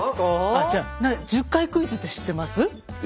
あっじゃ１０回クイズって知ってます？